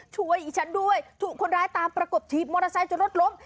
อีฉันด้วยถูกคนร้ายตามประกบถีบมอเตอร์ไซค์จนรถล้ม